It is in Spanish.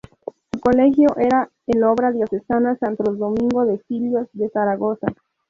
Su colegio era el Obra Diocesana Santo Domingo de Silos, de Zaragoza.